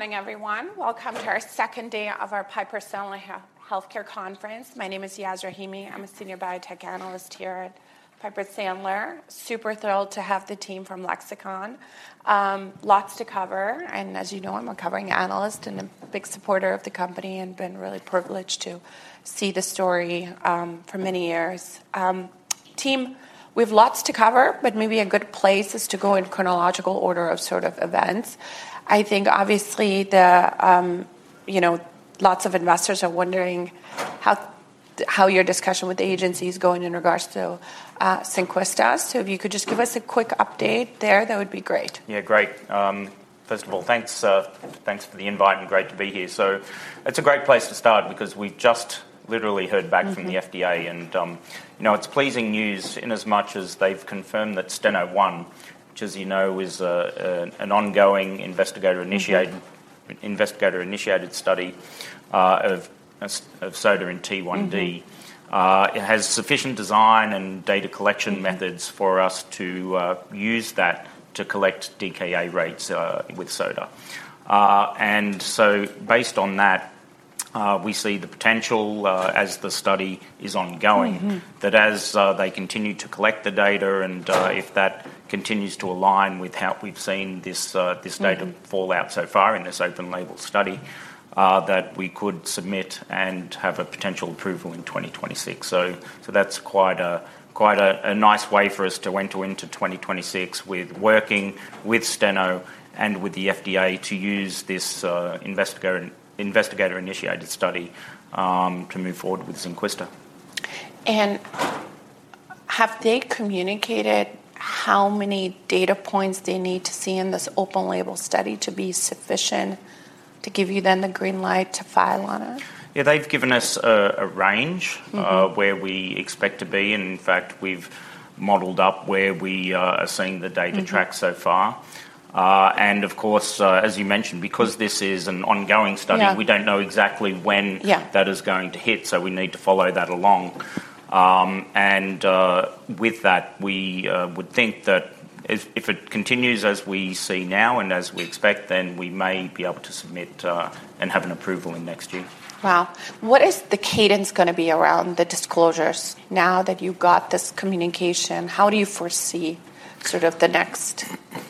Morning, everyone. Welcome to our second day of our Piper Sandler Healthcare Conference. My name is Yaz Rahimi. I'm a senior biotech analyst here at Piper Sandler. Super thrilled to have the team from Lexicon. Lots to cover, and as you know, I'm a covering analyst and a big supporter of the company and been really privileged to see the story for many years. Team, we have lots to cover, but maybe a good place is to go in chronological order of sort of events. I think, obviously, lots of investors are wondering how your discussion with the agency is going in regards to Zynquista. So if you could just give us a quick update there, that would be great. Yeah, great. First of all, thanks for the invite and great to be here. So it's a great place to start because we've just literally heard back from the FDA. And it's pleasing news inasmuch as they've confirmed that Steno-1, which, as you know, is an ongoing investigator-initiated study of soda and T1D, has sufficient design and data collection methods for us to use that to collect DKA rates with soda. And so based on that, we see the potential, as the study is ongoing, that as they continue to collect the data and if that continues to align with how we've seen this data fall out so far in this open-label study, that we could submit and have a potential approval in 2026. That's quite a nice way for us to enter into 2026 working with Steno and with the FDA to use this investigator-initiated study to move forward with Zynquista. Have they communicated how many data points they need to see in this open-label study to be sufficient to give you then the green light to file on it? Yeah, they've given us a range where we expect to be. And in fact, we've modeled up where we are seeing the data track so far. And of course, as you mentioned, because this is an ongoing study, we don't know exactly when that is going to hit. So we need to follow that along. And with that, we would think that if it continues as we see now and as we expect, then we may be able to submit and have an approval in next year. Wow. What is the cadence going to be around the disclosures? Now that you've got this communication, how do you foresee sort of the next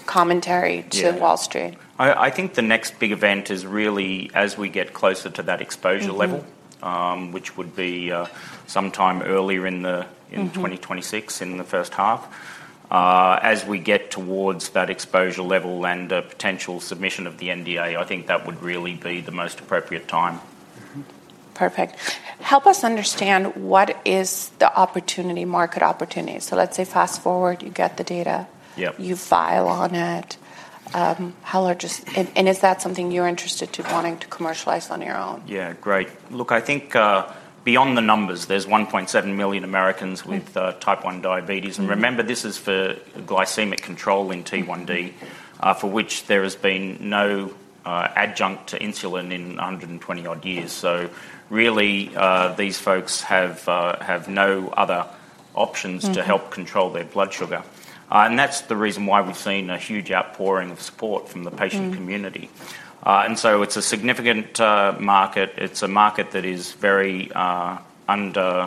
commentary to Wall Street? I think the next big event is really as we get closer to that exposure level, which would be sometime earlier in 2026 in the first half. As we get towards that exposure level and a potential submission of the NDA, I think that would really be the most appropriate time. Perfect. Help us understand what is the market opportunity. So let's say fast forward, you get the data, you file on it. And is that something you're interested to wanting to commercialize on your own? Yeah, great. Look, I think beyond the numbers, there's 1.7 million Americans with type 1 diabetes. And remember, this is for glycemic control in T1D, for which there has been no adjunct insulin in 120-odd years. So really, these folks have no other options to help control their blood sugar. And that's the reason why we've seen a huge outpouring of support from the patient community. And so it's a significant market. It's a market that is very underserved.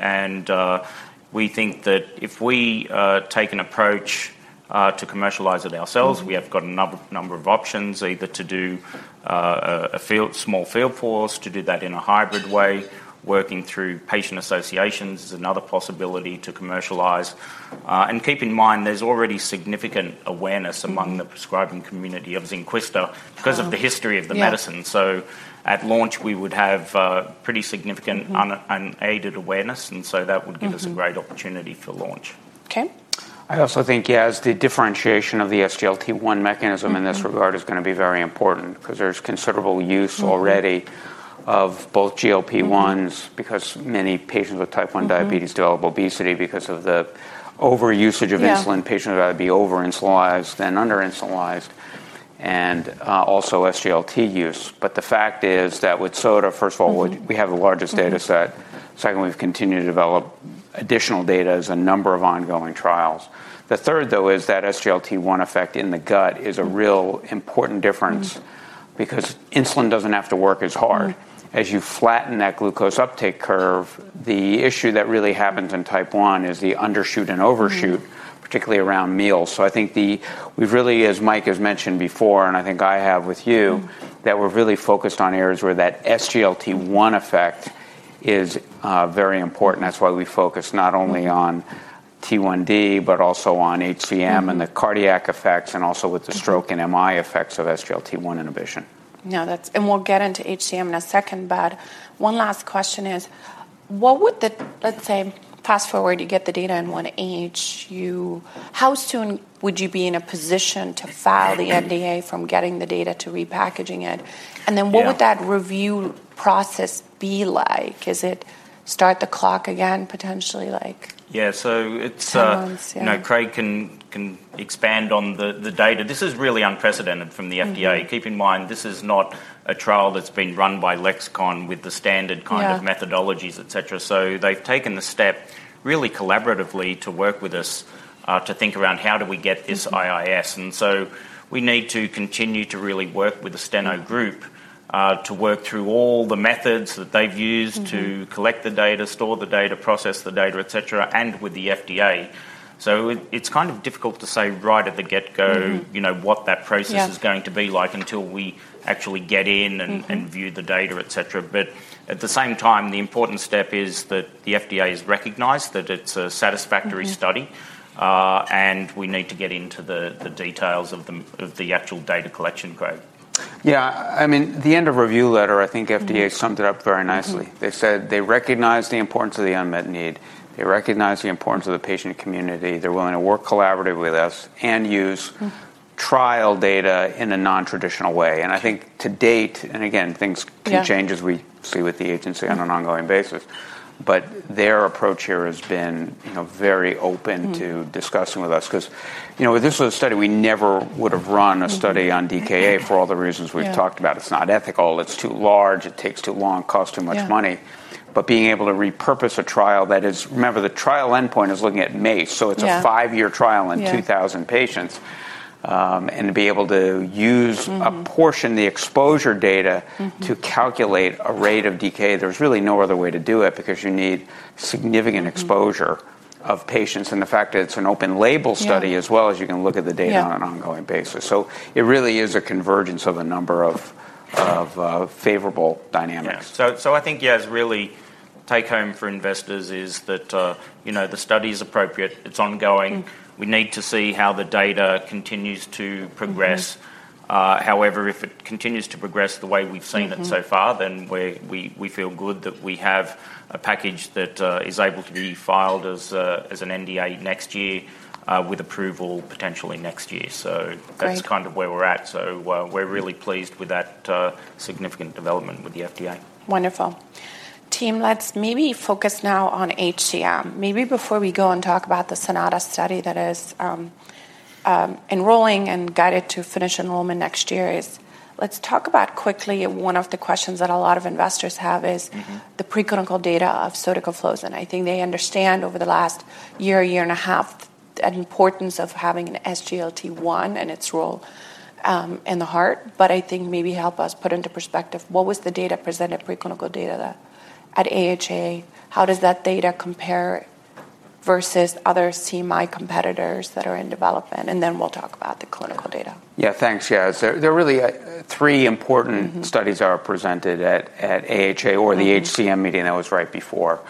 And we think that if we take an approach to commercialize it ourselves, we have got a number of options, either to do a small field force, to do that in a hybrid way, working through patient associations is another possibility to commercialize. And keep in mind, there's already significant awareness among the prescribing community of Zynquista because of the history of the medicine. So at launch, we would have pretty significant unaided awareness. And so that would give us a great opportunity for launch. Okay. I also think, yes, the differentiation of the SGLT1 mechanism in this regard is going to be very important because there's considerable use already of both GLP-1s because many patients with type 1 diabetes develop obesity because of the overusage of insulin. Patients would rather be over-insulinized than under-insulinized. And also SGLT use. But the fact is that with soda, first of all, we have the largest data set. Second, we've continued to develop additional data as a number of ongoing trials. The third, though, is that SGLT1 effect in the gut is a real important difference because insulin doesn't have to work as hard. As you flatten that glucose uptake curve, the issue that really happens in type 1 is the undershoot and overshoot, particularly around meals. So I think we've really, as Mike has mentioned before, and I think I have with you, that we're really focused on areas where that SGLT1 effect is very important. That's why we focus not only on T1D, but also on HCM and the cardiac effects and also with the stroke and MI effects of SGLT1 inhibition. Yeah, and we'll get into HCM in a second. But one last question is, what would the, let's say, fast forward, you get the data in one inch, how soon would you be in a position to file the NDA from getting the data to repackaging it? And then what would that review process be like? Is it start the clock again, potentially? Yeah, so Craig can expand on the data. This is really unprecedented from the FDA. Keep in mind, this is not a trial that's been run by Lexicon with the standard kind of methodologies, et cetera. So they've taken the step really collaboratively to work with us to think around how do we get this IIS. And so we need to continue to really work with the Steno group to work through all the methods that they've used to collect the data, store the data, process the data, et cetera, and with the FDA. So it's kind of difficult to say right at the get-go what that process is going to be like until we actually get in and view the data, et cetera. But at the same time, the important step is that the FDA has recognized that it's a satisfactory study. We need to get into the details of the actual data collection, Craig. Yeah, I mean, the end of review letter, I think FDA summed it up very nicely. They said they recognize the importance of the unmet need. They recognize the importance of the patient community. They're willing to work collaboratively with us and use trial data in a nontraditional way. And I think to date, and again, things can change as we see with the agency on an ongoing basis. But their approach here has been very open to discussing with us because this was a study we never would have run a study on DKA for all the reasons we've talked about. It's not ethical. It's too large. It takes too long. It costs too much money. But being able to repurpose a trial that is, remember, the trial endpoint is looking at MACE. So it's a five-year trial in 2,000 patients. To be able to use a portion of the exposure data to calculate a rate of DKA, there's really no other way to do it because you need significant exposure of patients. The fact that it's an open-label study as well as you can look at the data on an ongoing basis. It really is a convergence of a number of favorable dynamics. So, I think yes, the real take-home for investors is that the study is appropriate. It's ongoing. We need to see how the data continues to progress. However, if it continues to progress the way we've seen it so far, then we feel good that we have a package that is able to be filed as an NDA next year with approval potentially next year. So that's kind of where we're at. So we're really pleased with that significant development with the FDA. Wonderful. Team, let's maybe focus now on HCM. Maybe before we go and talk about the SONATA-HCM study that is enrolling and guided to finish enrollment next year is, let's talk about quickly one of the questions that a lot of investors have is the preclinical data of sotagliflozin. And I think they understand over the last year, year and a half, the importance of having an SGLT1 and its role in the heart. But I think maybe help us put into perspective, what was the data presented, preclinical data at AHA? How does that data compare versus other CMI competitors that are in development? And then we'll talk about the clinical data. Yeah, thanks. Yeah, there are really three important studies that are presented at AHA or the HCM meeting that was right before.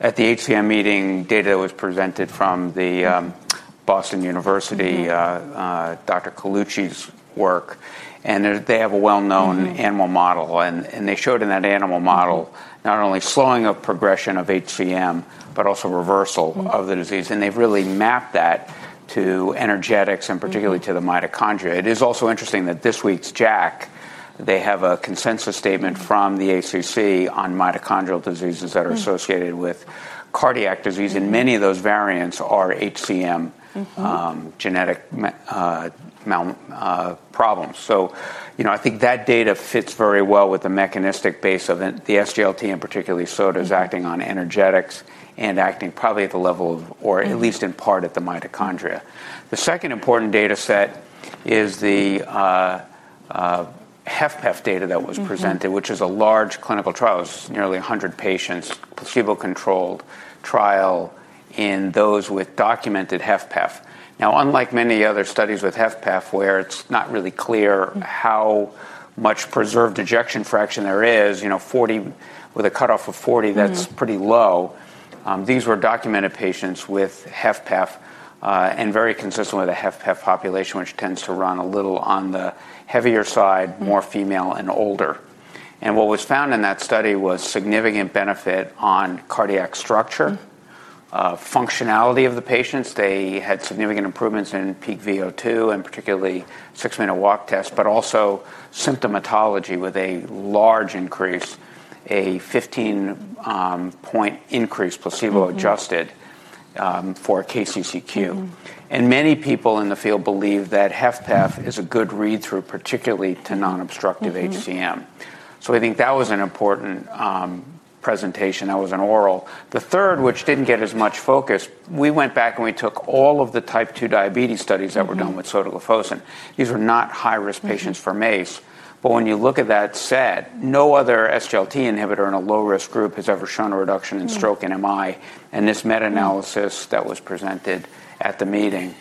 At the HCM meeting, data was presented from Boston University, Dr. Colucci's work. And they have a well-known animal model. And they showed in that animal model not only slowing of progression of HCM, but also reversal of the disease. And they've really mapped that to energetics and particularly to the mitochondria. It is also interesting that this week's JACC, they have a consensus statement from the ACC on mitochondrial diseases that are associated with cardiac disease. And many of those variants are HCM genetic problems. So I think that data fits very well with the mechanistic base of the SGLT, and particularly soda is acting on energetics and acting probably at the level of, or at least in part, at the mitochondria. The second important data set is the HFpEF data that was presented, which is a large clinical trial. It was nearly 100 patients, placebo-controlled trial in those with documented HFpEF. Now, unlike many other studies with HFpEF, where it's not really clear how much preserved ejection fraction there is, 40 with a cutoff of 40, that's pretty low. These were documented patients with HFpEF and very consistent with a HFpEF population, which tends to run a little on the heavier side, more female and older. And what was found in that study was significant benefit on cardiac structure, functionality of the patients. They had significant improvements in peak VO2 and particularly six-minute walk test, but also symptomatology with a large increase, a 15-point increase placebo-adjusted for KCCQ. And many people in the field believe that HFpEF is a good read-through, particularly to non-obstructive HCM. I think that was an important presentation. That was an oral. The third, which didn't get as much focus, we went back and we took all of the type 2 diabetes studies that were done with sotagliflozin. These were not high-risk patients for MACE. But when you look at that set, no other SGLT inhibitor in a low-risk group has ever shown a reduction in stroke and MI. And this meta-analysis that was presented at the meeting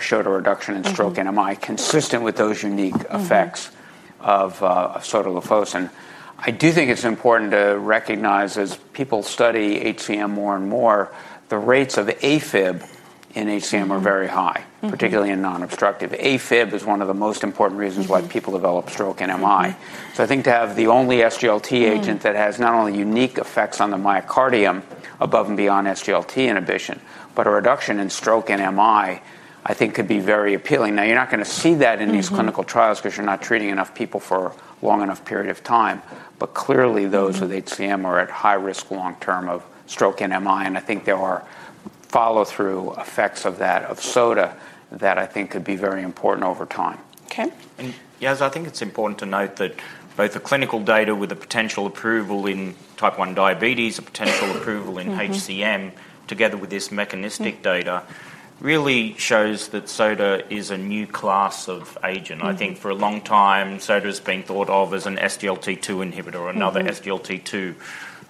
showed a reduction in stroke and MI consistent with those unique effects of sotagliflozin. I do think it's important to recognize as people study HCM more and more, the rates of AFib in HCM are very high, particularly in non-obstructive. AFib is one of the most important reasons why people develop stroke and MI. So I think to have the only SGLT agent that has not only unique effects on the myocardium above and beyond SGLT inhibition, but a reduction in stroke and MI, I think could be very appealing. Now, you're not going to see that in these clinical trials because you're not treating enough people for a long enough period of time. But clearly, those with HCM are at high risk long-term of stroke and MI. And I think there are follow-through effects of that of soda that I think could be very important over time. Okay. Yes, I think it's important to note that both the clinical data with the potential approval in type 1 diabetes, the potential approval in HCM, together with this mechanistic data, really shows that soda is a new class of agent. I think for a long time, soda has been thought of as an SGLT2 inhibitor or another SGLT2.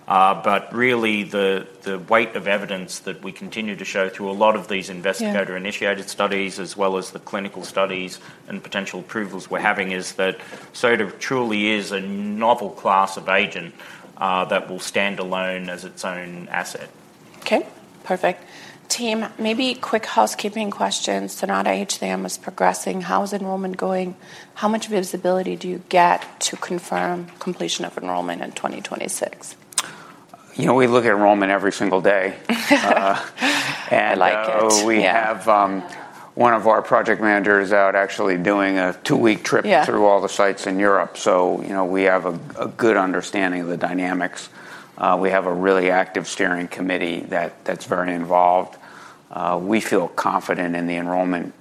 But really, the weight of evidence that we continue to show through a lot of these investigator-initiated studies, as well as the clinical studies and potential approvals we're having, is that soda truly is a novel class of agent that will stand alone as its own asset. Okay. Perfect. Team, maybe quick housekeeping questions. SONATA-HCM is progressing. How is enrollment going? How much visibility do you get to confirm completion of enrollment in 2026? We look at enrollment every single day. I like it. We have one of our project managers out actually doing a two-week trip through all the sites in Europe, so we have a good understanding of the dynamics. We have a really active steering committee that's very involved. We feel confident in the enrollment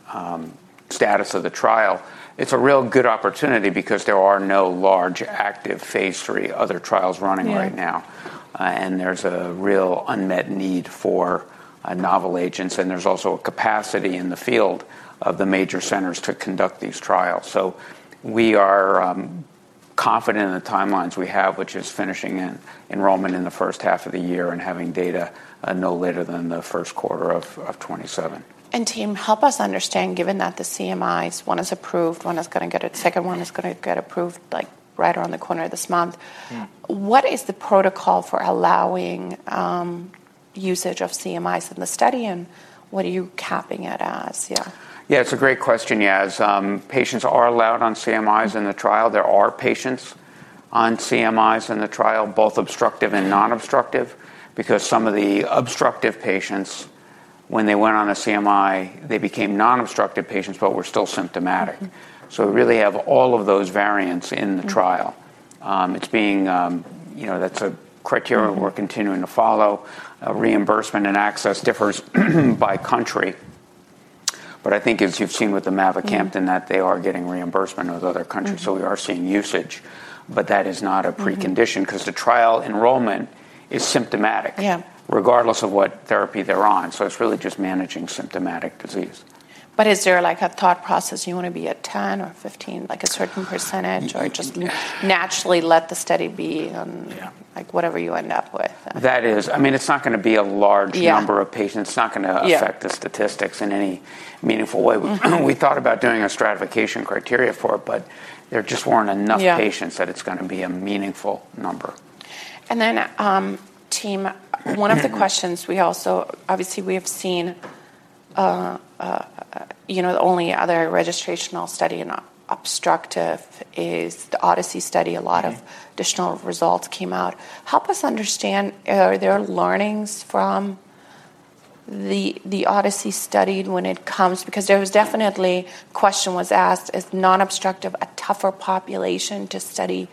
status of the trial. It's a real good opportunity because there are no large active phase 3 other trials running right now, and there's a real unmet need for novel agents, and there's also a capacity in the field of the major centers to conduct these trials, so we are confident in the timelines we have, which is finishing enrollment in the first half of the year and having data no later than the first quarter of 2027. Team, help us understand, given that the CMIs, one is approved, one is going to get it, second one is going to get approved right around the corner this month. What is the protocol for allowing usage of CMIs in the study? What are you capping it as? Yeah. Yeah, it's a great question. Yes, patients are allowed on CMIs in the trial. There are patients on CMIs in the trial, both obstructive and non-obstructive, because some of the obstructive patients, when they went on a CMI, they became non-obstructive patients, but were still symptomatic. So we really have all of those variants in the trial. That's a criteria we're continuing to follow. Reimbursement and access differs by country. But I think, as you've seen with the Mavacamten, that they are getting reimbursement with other countries. So we are seeing usage. But that is not a precondition because the trial enrollment is symptomatic, regardless of what therapy they're on. So it's really just managing symptomatic disease. But is there a thought process? You want to be at 10 or 15, like a certain percentage, or just naturally let the study be whatever you end up with? That is. I mean, it's not going to be a large number of patients. It's not going to affect the statistics in any meaningful way. We thought about doing a stratification criteria for it, but there just weren't enough patients that it's going to be a meaningful number. Then, team, one of the questions we also, obviously, we have seen the only other registrational study in obstructive is the Odyssey study. A lot of additional results came out. Help us understand, are there learnings from the Odyssey study when it comes? Because there was definitely a question that was asked, is non-obstructive a tougher population to study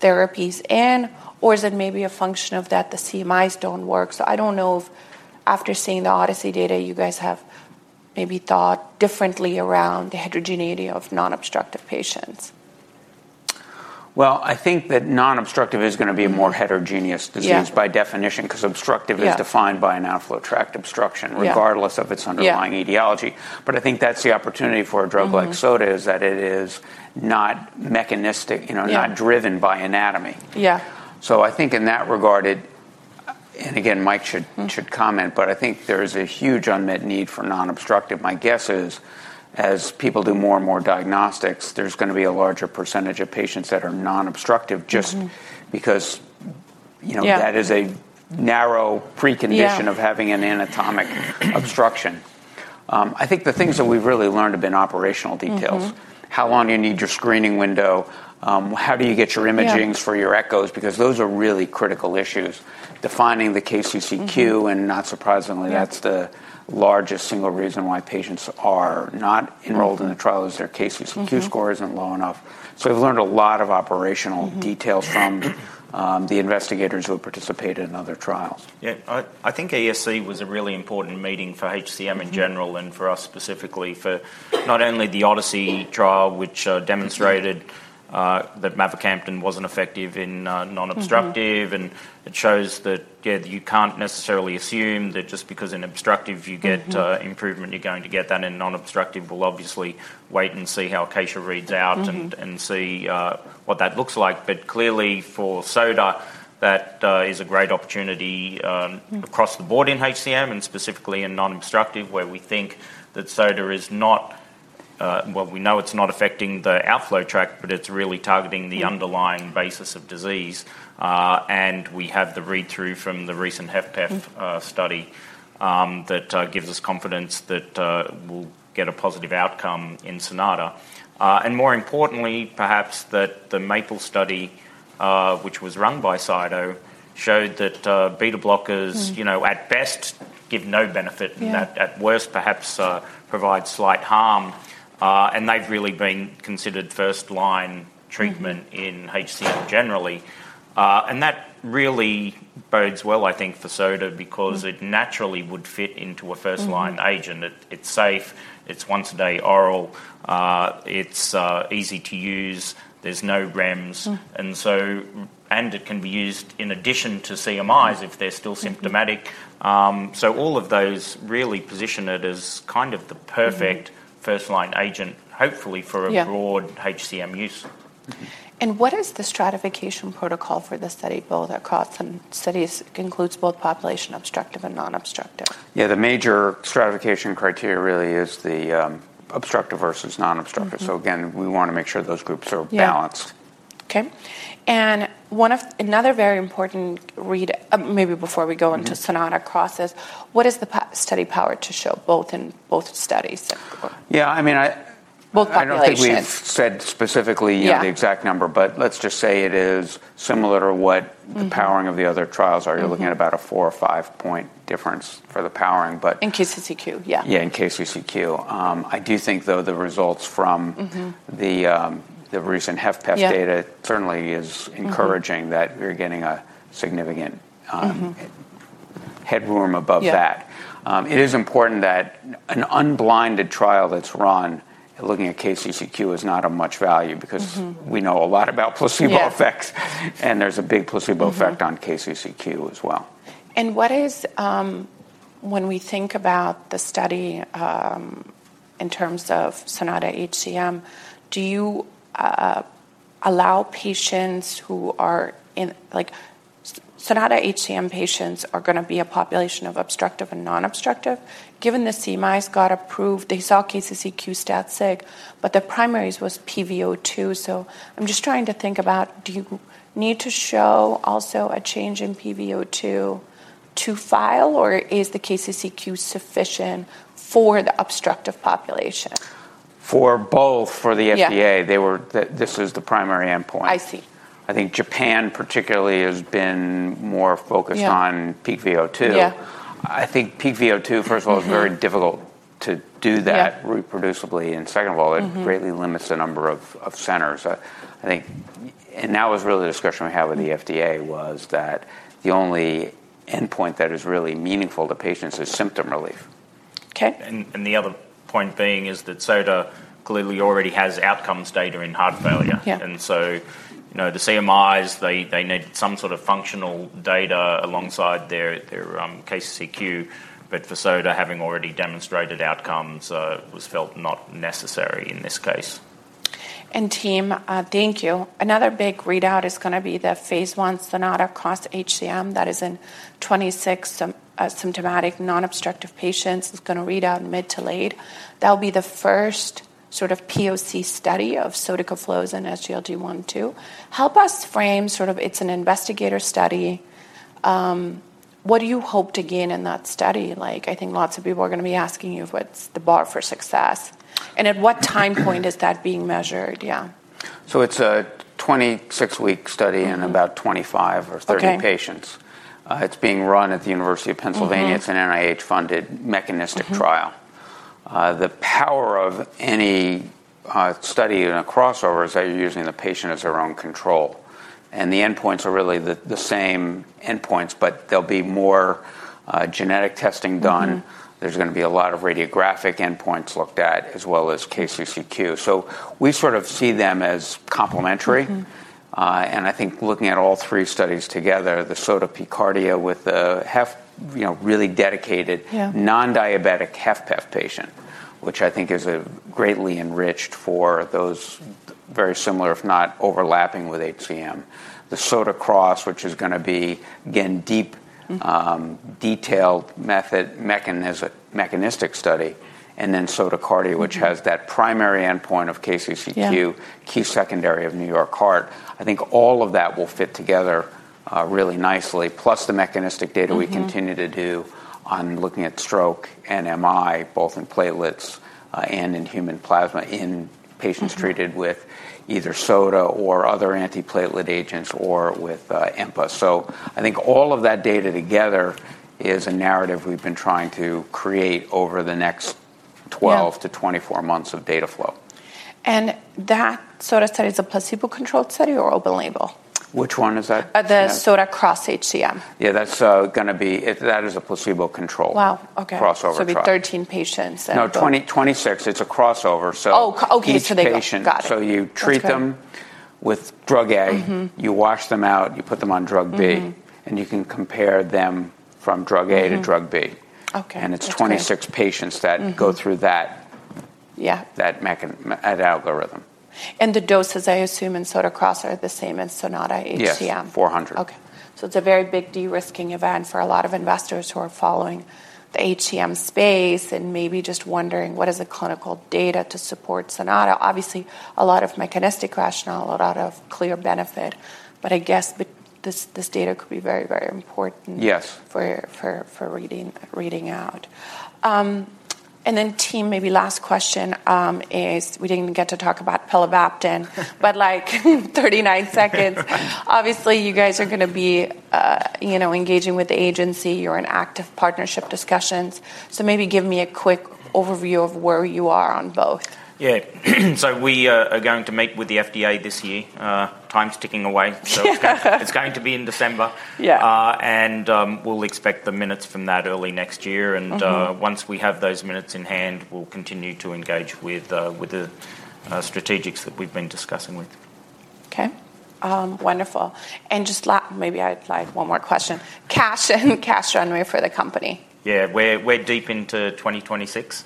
therapies in, or is it maybe a function of that the CMIs don't work? So I don't know if after seeing the Odyssey data, you guys have maybe thought differently around the heterogeneity of non-obstructive patients. I think that non-obstructive is going to be a more heterogeneous disease by definition because obstructive is defined by an outflow tract obstruction, regardless of its underlying etiology. But I think that's the opportunity for a drug like soda, is that it is not mechanistic, not driven by anatomy. Yeah, so I think in that regard, and again, Mike should comment, but I think there is a huge unmet need for non-obstructive. My guess is, as people do more and more diagnostics, there's going to be a larger percentage of patients that are non-obstructive just because that is a narrow precondition of having an anatomic obstruction. I think the things that we've really learned have been operational details. How long do you need your screening window? How do you get your imaging for your echoes? Because those are really critical issues. Defining the KCCQ, and not surprisingly, that's the largest single reason why patients are not enrolled in the trial: their KCCQ score isn't low enough, so we've learned a lot of operational details from the investigators who have participated in other trials. Yeah, I think ACC was a really important meeting for HCM in general and for us specifically for not only the Odyssey trial, which demonstrated that Mavacamten wasn't effective in non-obstructive, and it shows that, yeah, you can't necessarily assume that just because in obstructive you get improvement, you're going to get that, and in non-obstructive, we'll obviously wait and see how ACACIA reads out and see what that looks like, but clearly, for soda, that is a great opportunity across the board in HCM and specifically in non-obstructive, where we think that soda is not, well, we know it's not affecting the outflow tract, but it's really targeting the underlying basis of disease, and we have the read-through from the recent HFpEF study that gives us confidence that we'll get a positive outcome in Sonata. And more importantly, perhaps that the MAPLE-HCM study, which was run by Cyto, showed that beta blockers at best give no benefit, that at worst perhaps provide slight harm. And they've really been considered first-line treatment in HCM generally. And that really bodes well, I think, for soda because it naturally would fit into a first-line agent. It's safe. It's once-a-day oral. It's easy to use. There's no REMS. And it can be used in addition to CMIs if they're still symptomatic. So all of those really position it as kind of the perfect first-line agent, hopefully for a broad HCM use. What is the stratification protocol for the study? Both across some studies, it includes both population obstructive and non-obstructive. Yeah, the major stratification criteria really is the obstructive versus non-obstructive. So again, we want to make sure those groups are balanced. Okay, and another very important read, maybe before we go into SOTA-CROSS, what is the study power to show both in both studies? Yeah, I mean. Both populations. I don't know if we said specifically the exact number, but let's just say it is similar to what the powering of the other trials are. You're looking at about a four or five-point difference for the powering, but. In KCCQ, yeah. Yeah, in KCCQ. I do think, though, the results from the recent HFpEF data certainly are encouraging that we're getting a significant headroom above that. It is important that an unblinded trial that's run looking at KCCQ is not of much value because we know a lot about placebo effects, and there's a big placebo effect on KCCQ as well. When we think about the study in terms of SONATA-HCM, do you allow patients who are in SONATA-HCM, patients are going to be a population of obstructive and non-obstructive? Given the CMIs got approved, they saw KCCQ as, but the primary was pVO2. So I'm just trying to think about, do you need to show also a change in pVO2 to file, or is the KCCQ sufficient for the obstructive population? For both, for the FDA, this is the primary endpoint. I see. I think Japan, particularly, has been more focused on peak VO2. I think peak VO2, first of all, is very difficult to do that reproducibly. And second of all, it greatly limits the number of centers. I think, and that was really the discussion we had with the FDA, was that the only endpoint that is really meaningful to patients is symptom relief. And the other point being is that soda clearly already has outcomes data in heart failure. And so the CMIs, they need some sort of functional data alongside their KCCQ. But for soda, having already demonstrated outcomes was felt not necessary in this case. Team, thank you. Another big readout is going to be the phase I SOTA-CROSS-HCM that is in 26 symptomatic non-obstructive patients. It's going to read out mid to late. That'll be the first sort of POC study of sotagliflozin and SGLT1/2. Help us frame sort of it's an investigator study. What do you hope to gain in that study? I think lots of people are going to be asking you what's the bar for success. At what time point is that being measured? Yeah. It's a 26-week study in about 25 or 30 patients. It's being run at the University of Pennsylvania. It's an NIH-funded mechanistic trial. The power of any study in a crossover is that you're using the patient as their own control. And the endpoints are really the same endpoints, but there'll be more genetic testing done. There's going to be a lot of radiographic endpoints looked at, as well as KCCQ. So we sort of see them as complementary. And I think looking at all three studies together, the SOTA-P-HFpEF with the really dedicated non-diabetic HFpEF patient, which I think is greatly enriched for those very similar, if not overlapping, with HCM. The SOTA-CROSS-HCM, which is going to be, again, deep, detailed method, mechanistic study. And then SONATA-HCM, which has that primary endpoint of KCCQ, key secondary of New York heart. I think all of that will fit together really nicely, plus the mechanistic data we continue to do on looking at stroke and MI, both in platelets and in human plasma in patients treated with either soda or other antiplatelet agents or with EMPA. So I think all of that data together is a narrative we've been trying to create over the next 12-24 months of data flow. That soda study is a placebo-controlled study or open label? Which one is that? The SOTA-CROSS-HCM. Yeah, that's going to be a placebo-controlled crossover trial. Wow. Okay, so 13 patients. No, 26. It's a crossover. Oh, okay. So they got. So you treat them with drug A, you wash them out, you put them on drug B, and you can compare them from drug A to drug B. And it's 26 patients that go through that algorithm. And the doses, I assume, in SOTA-CROSS are the same as SONATA-HCM? Yeah, 400. Okay. So it's a very big de-risking event for a lot of investors who are following the HCM space and maybe just wondering what is the clinical data to support Sonata. Obviously, a lot of mechanistic rationale, a lot of clear benefit. But I guess this data could be very, very important for reading out. And then, team, maybe last question is we didn't get to talk about LX9211, but 39 seconds. Obviously, you guys are going to be engaging with the agency. You're in active partnership discussions. So maybe give me a quick overview of where you are on both. Yeah. So we are going to meet with the FDA this year. Time's ticking away. So it's going to be in December. And we'll expect the minutes from that early next year. And once we have those minutes in hand, we'll continue to engage with the strategics that we've been discussing with. Okay. Wonderful. And just maybe I'd like one more question. Cash and cash runway for the company? Yeah, we're deep into 2026.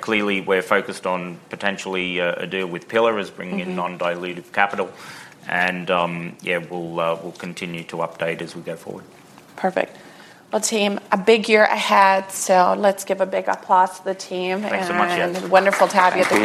Clearly, we're focused on potentially a deal with LX9211 as bringing in non-dilutive capital, and yeah, we'll continue to update as we go forward. Perfect. Well, team, a big year ahead. So let's give a big applause to the team. Thanks so much, yeah. Wonderful to have you.